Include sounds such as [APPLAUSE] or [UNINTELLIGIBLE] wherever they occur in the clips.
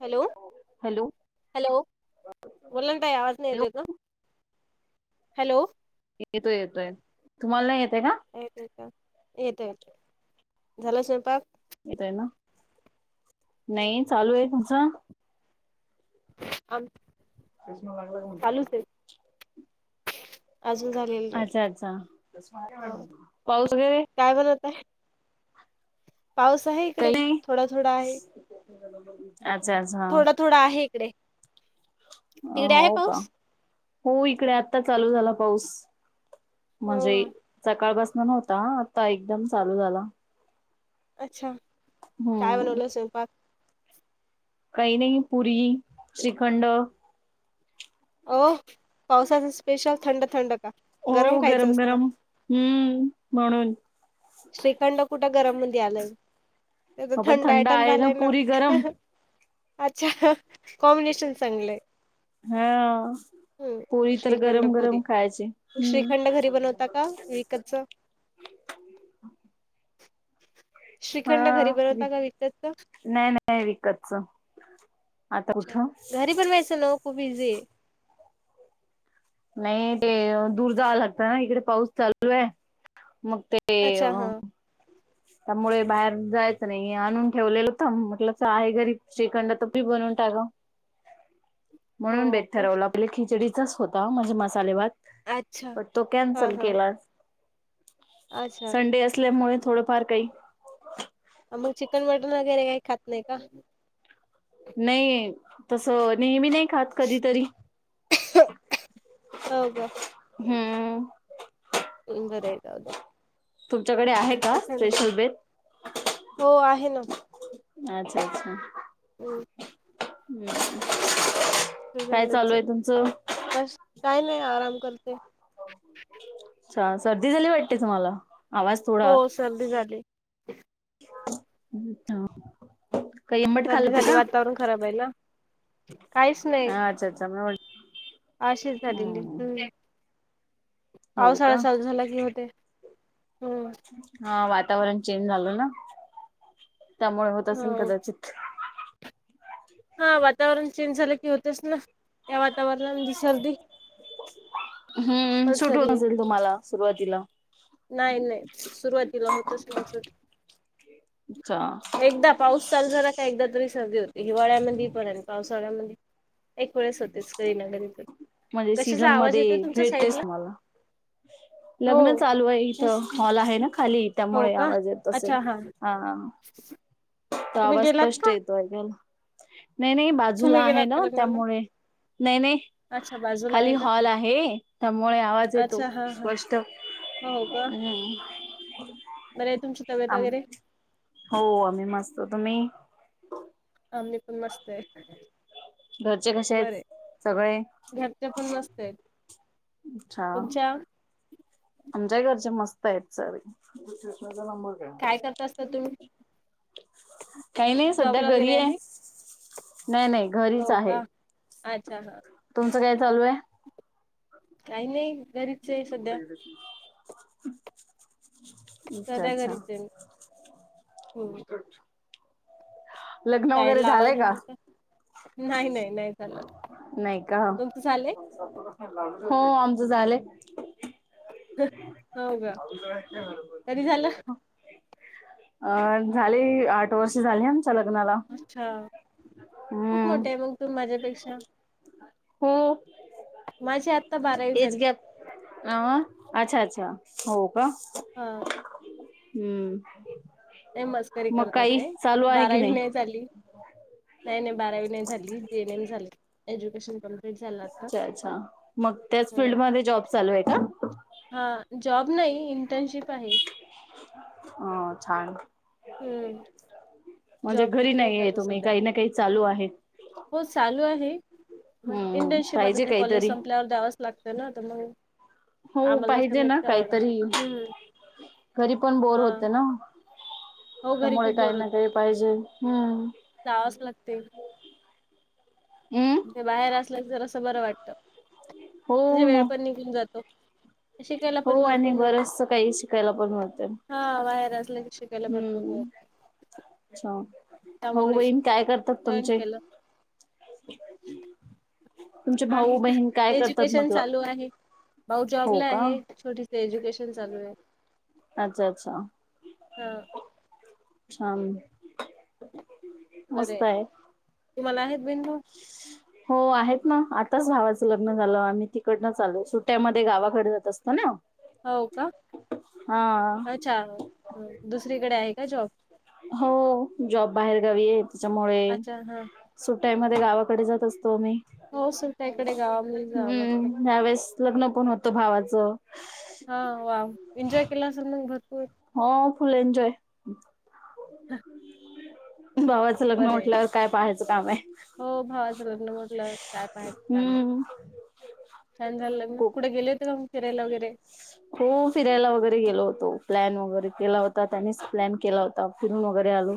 Hello hello hello ब टायज नाही हॅलो य का हॅलो येतो येतोय तुम्हाला येत का येत येत झालं स्वयपाक येतोय ना नाही चालू आहे तुझा अ चष्मा लागला का म्हण तुम्हाला? अजून झालेलं नाही अच्छा अच्छा हा पाऊस वगैरे? काय बनवत आहे पाऊस आहे इकडे काही नाही थोडा थोडा आहे. अच्छा अच्छा हा. थोडा थोडा आहे इकडे अ तिकडे आहे हो का पाऊस हो इकडे आता चालू झाला पाऊस. हो म्हणजे का? सकाळपासून नव्हता आता एकदम चालू झाला. अच्छा काय हम्म बनवलं स्वयंपाक? काही नाही पुरी, श्रीखंड, हो पावसाचा स्पेशल थंड थंड का. गरम हो खायचं असत गरम हम्म म्हणून श्रीखंड कुठे. गरम मध्ये आलं त्याचा पण थंड आयटम आहे झालाय ना. पुरी गरम अच्छा कॉम्बिनेशन चांगलंय हा. हम्म पोळी तर श्रीखंड गरम पुरी गरम खायचे श्रीखंड घरी हम्म. बनवता का [INAUDIBLE] विकतच? श्रीखंड घरी हा बनवता का विकतच? नाही नाही विकतच. आता कुठं अच्छा घरी पण वेसे लोकं इझी आहे. नाही ते दूर जावं लागत ना इकडे पाऊस चालू आहे. मग ते अच्छा हा. त्यामुळे बाहेर जायचं नाही आणून ठेवलेलंत म्हटल आहे घरीब श्रीखंड त पी बनव. का ग हो म्हणून बेट का? ठरवलं आप खिचडीचाच होता म्हणजे मसाले भात. अच्छा पण तो हा कॅन्सल हा केला. अच्छा संडे असल्यामुळे थोडंफार काही मग चिकन मटन वगैरे काही खात नाही का? नाही तस नेहमी नाही खात कधीतरी हो हम्म. हम्म. बरय जाऊद्या. तुमच्याकडे आहे का [UNINTELLIGIBLE] स्पेशल बेत हो आहे ना. अच्छा अच्छा हं. हम्म. [UNINTELLIGIBLE] काही नाही आराम करतोय. अच्छा सर्दी झाली वाटते तुम्हाला? आवाज हो थोडा सर्दी झाली. [UNINTELLIGIBLE] सर्दी खाल्लं होत झाली का? वातावरण खराब आहे ना, काहीच नाही. हा अच्छा अच्छा म अशेच झालेली. हम्म हो पावसाळा का चालू झाला की होते. हम्म हा वातावरण चेंज झालं ना. त्यामुळे होत असेल हो कदाचित. हा वातावरण चेंज झालं की होतच ना, या वातावरणा सर्दी. हम्म कंपल्सरी आहे. सुटवतेल तुम्हाला सुरुवातीला. नाही नाही सुरुवातीला होतच नाही सूट. अच्छा. एकदा पाऊस चालू झाला का एकदा तरी सर्दी होती हिवाळ्यामध्ये पण आणि पावसाळ्यामध्ये एक वेळेस होतेच कधी ना कधी तर. म्हणजे सीझन मध्ये भेटते तुम्हांला. लग्न हो. चालू इथं हॉल आहे ना खाली हो त्यामुळे का? आवाज येत असेलं अच्छा हा. त तुम्ही आवाज गेलात स्पष्ट का? येतो ऐकाल नाही नाही बाजूला तुम्ही आहे गेलात ना का लग्नाला? त्यामुळे नाही नाही. अच्छा बाजूला आहे खाली का? हॉल आहे त्यामुळे आवाज येतो अच्छा हा हा. स्पष्ट. हम्म. बरं आहे. तुमची तब्येत आम वगैरे? हो आम्ही मस्त. तुम्ही? आम्ही पण मस्त आहे. घरचे कसे आहेत? बरे. सगळे. घरचे पण मस्त आहेत. अच्छा! तुमच्या आमच्या घरचे मस्त आहेत सगळे. काय करत असता तुम्ही? काही नाही सध्या जॉबला वगैरे घरी आहे. नाही नाही घरीच हो आहे. का अच्छा हा. तुमचं काय चालू आहे? काही नाही घरीच आहे सध्या. अच्छा सध्या अच्छा घरीच आहे मी हम. लग्न साईड वगैरे ला झालंय आवाज येतो का? नाही नाही. नाही झालं नाही का, तुमचं झालंय हो आमचं झालंय. [INAUDIBLE] हो का कधी झालं अ झाले. आठ वर्ष झाली आम अच्छा खूप हम्म मोठे आहे, मग तुम्ही माझ्यापेक्षा. हो. माझी आत्ता बारावी एज झाली गॅप अ अच्छा! अच्छा! हो का? हा हम्म. ते मस्करी मग करत काही होते, चालू आहे की बारावी नाही झाली. नाही, नाही बारावी नाही झाली. जी एन एम झाले. एज्युकेशन कम्प्लीट झालं आता अच्छा. अच्छा. मग त्याच हम्म. फील्ड मध्ये जॉब चालू आहे का? हा जॉब नाही. इंटर्नशिप आहे हो छान! हम्म. म्हणजे जॉब घरी नाही का आहे आता तुम्ही सध्या? काही ना काही चालू आहे हो चालू आहे. मग हम्म इंटर्नशिप आता पाहिजे ते कॉलेज काहीतरी संपल्यावर द्यावच लागतं ना, तर मग. हो आम्हाला पाहिजे सबमिट ना करावं काहीतरी, लागतं. हम्म. घरी पण बोर हा होते ना. हो घरी त्यामुळे काही ना काही पाहिजे. हम्म. जावाच लागते. हम् म्हणजे बाहेर असल् की जरासं बरं वाटत. हो म्हणजे ना वेळ पण निघून जातो. शिकायला हो पण आणि भरपूर मिळतं बरेचस काही शिकायला पण होत. हा बाहेर असलं की शिकायला भरपूर हम्म, मिळतं. अच्छा. भाऊ, त्यामुळे बहीण काय करतात जॉईन तुमचे? केलं तुमचे भाऊ आहे बहीण काय करतात एज्युकेशन म्हटलं चालू आहे. भाऊ हो जॉबला का आहे. छोटी एज्युकेशन चालू आहे. अच्छा अच्छा! हा हा. बरे तुम्हाला आहेत? बहीण -भाऊ. हो आहेत ना. आताच भावाचं लग्न झालं आम्ही तिकडनंच आलोय, सुट्यामध्ये गावाकडे जात असतो ना. हो का, हा अच्छा! दुसरीकडे आहे का जॉब? हो जॉब बाहेर गावी आहे, त्याच्यामुळे अच्छा हा. सुट्टायमध्ये गावाकडे जात अस. तो. मी हो सुट्ट्या इकडे गावामध्ये जावं लागतं. हम्म ह्यावेळेस लग्न पण होतं भावाचं. हा वा एन्जॉय केला असेल मग भरपूर. हो. Full enjoy. ह भावाचं लग्न म्हटल्यावर काय पाहायचं काम आहे. हो भावाचं लग्न म्हटलं काय पाहायचं काम हम्म ये छान झालं लग्न खूप कुठे गेले होते का मंग फिरायला वगैरे हो फिरायला वगैरे गेलो होतो. प्लॅन वगैरे केला होता त्यानीच प्लॅन केला होता फिरून वगैरे आलो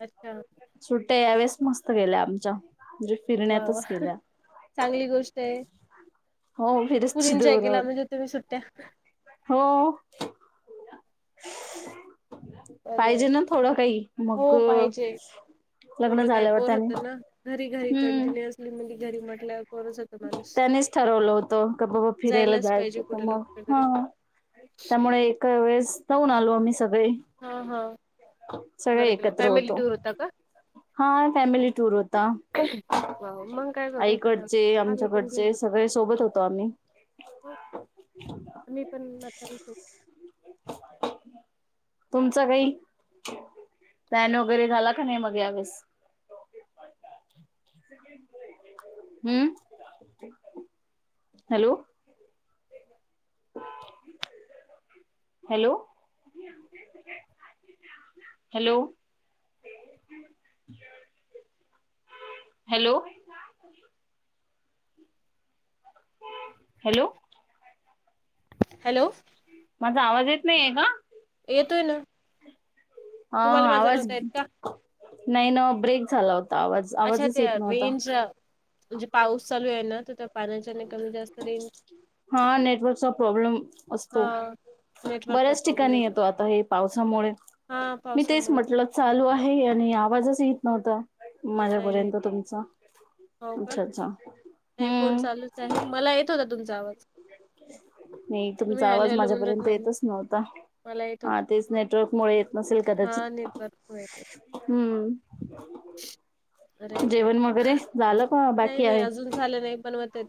अच्छा सुट्ट्या ह्या वेळेस मस्त गेल्या आमच्या. म्हणजे वा वा फिरण्यातच गेला. चांगली गोष्ट आहे. हो फुल फिरस्ती एन्जॉय दौरा केला होता. म्हणजे तुम्ही सुट्ट्या हो. बरोबर पाहिजे आहे. ना थोडं काही हो मग पाहिजे. लग्न थोडं काही झाल्यावर बोर त्याने होतं ना घरी घरी कंटिन्युअसली मुली घरी म्हटल्या व त्यानीच ठरवलं होतं क बाबा फिरायला जायलाच पाहिजे जायचं तर कुठे ना मग कुठे तरी ह त्यामुळे एका वेळेस जाऊन आलो आम्ही सगळे हा हा. सगळे बरं केलं एकत्र फॅमिली होतो. टूर होता का? हा. फॅमिली टूर होता. वा मग काय बघायचं काम आईकडचे आम्ही आमच्याकडचे सगळे सोबत होतो आम्ही. हो. मी पण नकारच [INAUDIBLE] तुमच काही पॅन वगैरे झाला का नाही? मग यावेळेस. [INAUDIBLE] हम्म.. hello. Hello. Hello. Hello. Hello. Hello. माझा आवाज येत नाहीये का? येतोय ना. अ तुम्हाला माझा आवाज नव्हता येत का नाही ना ब्रेक झाला हो अच्छा ते रेंज म्हणजे पाऊस चालू आहे ना, तर त्या पाण्याच्याने कमी जास्त रेन्ज हा नेटवर्कचा प्रॉब्लेम हा असतो. नेटवर्कचा बऱ्याच प्रॉब्लेम ठिकाणी येतो आता हे पावसामुळे हा मी तेच पावसामुळे म्हटलं चालू आहे आणि आवाजच येत नव्हता. नाही नाही माझ्यापर्यंत तुमचा. हो का अच्छा अच्छा नाही फोन हम्म चालूच आहे. मला येत होता तुमचा आवाज. नाही तुम्ही तुमचा हॅलो आवाज हॅलो म्हणत माझ्यापर्यंत नाही येतच नव्हता. मला येत हा होता तेच नेटवर्क मुळे येत नसेल हा कदाचित. नेटवर्कमुळे येत हम्म. [INAUDIBLE] करायचं जेवण वगैरे झालं का नाही बाकी नाही आहे? अजून झालं नाही बनवत आहेत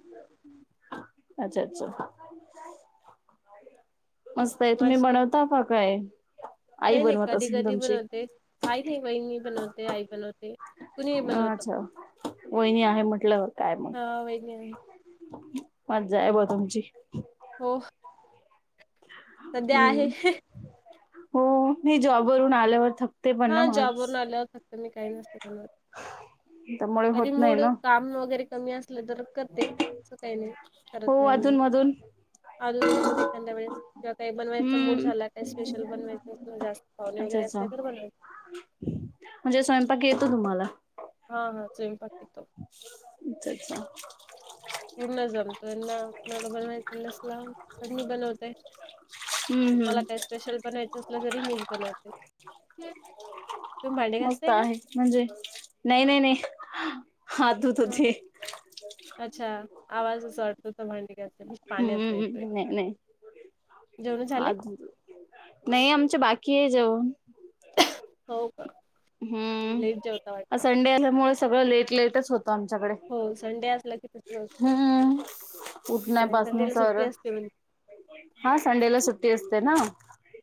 अच्छा अच्छा. मस्त आहे तुम्ही माझी बनवता का काय? आई नाही नाही बनवत कधी असेल कधी तुमची बनवते आई नाही वहिनी बनवते, आई बनवते. कुणीही बनवत. अच्छा वहिणी आहे म्हटल्यावर काय मग वहिनी आहे मज्जा आहे भो तुमची. हो. सध्या आहे हम्म ह. हो मी जॉबवरून आल्यावर थक हा जॉबवरून आलं फक्त मी काही नसत त्यामुळे कधी होत नाही मूड ना काम वगैरे कमी असले तर करते अस काही नाही करत हो नाही म्हणून अधून मधून अजून मधून एखाद्या वेळे किंवा काही बनवायचा मूड हम्म झाला काय स्पेशल बनवायच जास्त अच्छा वगैर अस अच्छा तर बन म्हणजे स्वयंपाक येतो तुम्हाला? हा हा [UNINTELLIGIBLE] [UNINTELLIGIBLE] अमेझॉम तोना आपला बनवायचं लस लाव कणी बनवतय. हम्म मला काही हम्म स्पेशल बनायचं असल तरी मीच बनवते. तुम्ही भांडे मस्त घासताय का? आहे म्हणजे नाही नाही नाही हात धूत हा होती. अच्छा आवाज वाटतो त भांडी घासताना पाण्याचा येतोय. हम्म नाही नाही. जेवण आ झाले? नाही आमच्या बाकी आहे जेऊण. हो का लेट जेवता वाटत. हम्म संडे असल्यामुळे सगळ लेट लेटच होत आमच्याकडे हो संडे असला की तसच पाासून संडेला स सुट्टी असते म्हण हा संडेला सुट्टी असते ना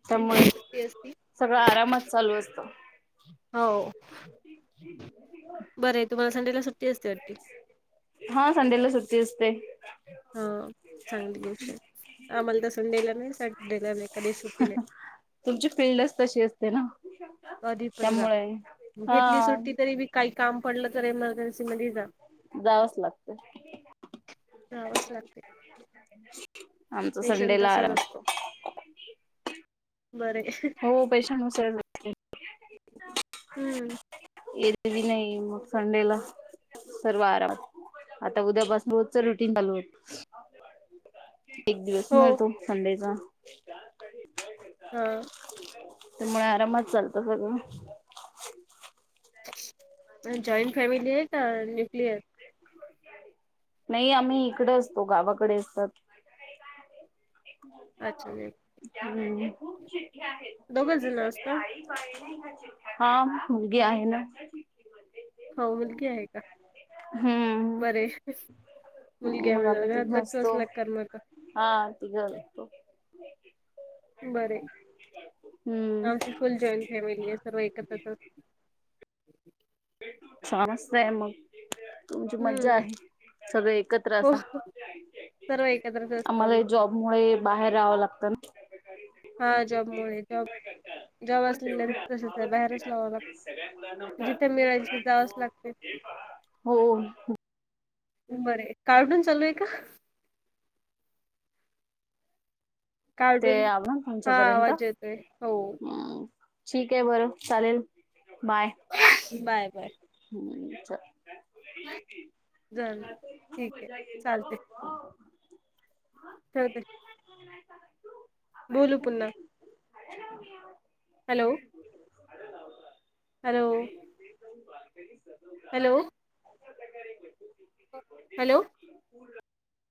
त्यामुळे संडेला सुट्टी असती सगळं आरामात चालू असतं. हो. [UNINTELLIGIBLE] बर आहे तुम्हाला संडेला सुट्टी अस हा संडेला सुट्टी अस असते. हा चांगली गोष्ट आहे आम्हाला तर संडेला नाही सॅटर्डेला नाही. कधी सुट्टी नाही तुमची फिल्डच तशी असते ना. कधी पण जा त्यामुळे घेतली हा सुट्टी तरी बी काही काम पडलं तर एमर्जन्सी मध्येच जा. जावंच लागत. जावंच लागते आमचा संडे पेशंट ला तसच आराम असत असतो. बरे हो पैशानसळ हम्म नाही मग संडेला. सर्व आरामात आता उद्या बस रोजच रुटीन चालू होत एक दिवस हो मिळतो संडेचा हा त्यामुळे आरामात चालतं सगळं. जॉइंट फॅमिली आहे का न्युक्लियर नाही आम्ही इकडे असतो गावाकडे असतात. अच्छा हम्म. दोघं जण असता. हा मुलगी आहे ना. हो मुलगी आहे का हम्म बर ये. मुलग्या मग आम्ही म्हत तिघ बघत असतो असला करमत. [UNINTELLIGIBLE] बर ये. हम्म आमची फुल जॉईंट फॅमिली आहे सर्व एकत्रचच. छानच त हे मंग. तुमची मज्जा हम्म आहे सगळे एकत्र हो असा. हो. सर्व एकत्रच असतो आम्हाला आम्ही जॉब मुळे बाहेर राहावं लागतं ना. हा जॉब मु जॉब जॉब असलेल्या तसच आहे बाहेरच लावा लाग [UNINTELLIGIBLE] जावच लागते. हो बर काढून चालू आहे का. ते कार्टून आ ना तुमच्या हा पर्यंत आवाज येतोय हो ह ठीक आहे बरं चालेल बाय. बाय बाय झालं ठीक आहे चालते [UNINTELLIGIBLE] ठेवते. [UNINTELLIGIBLE] बोलू पुन्हा [UNINTELLIGIBLE] हॅलो हॅलो बार्गेनिंग कर हॅलो अशा प्रकारे हॅलो.